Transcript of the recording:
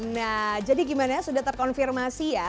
nah jadi gimana ya sudah terkonfirmasi ya